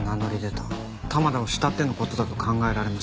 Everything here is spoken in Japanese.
玉田を慕っての事だと考えられます。